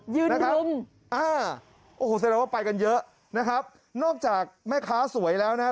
ใส่น้ำว่าไปกันเยอะนะครับนอกจากแม่ค้าสวยแล้วนะครับ